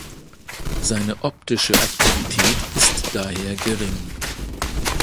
Seine optische Aktivität ist daher gering.